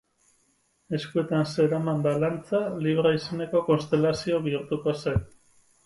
Eskuetan zeraman balantza Libra izeneko konstelazio bihurtuko zen.